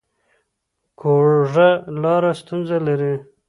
کوږه لار ستونزې لري